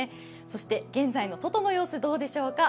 そして現在の外の様子、どうでしょうか。